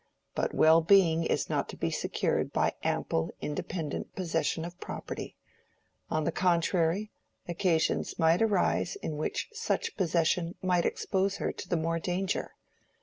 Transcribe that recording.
But well being is not to be secured by ample, independent possession of property; on the contrary, occasions might arise in which such possession might expose her to the more danger.